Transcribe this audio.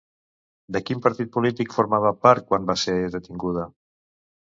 De quin partit polític formava part quan va ser detinguda?